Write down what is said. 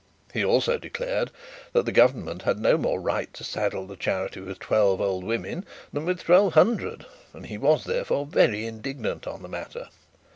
He also declared that the government had no more right to saddle the charity with twelve old women than with twelve hundred; and he was, therefore, very indignant on the matter.